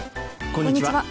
こんにちは。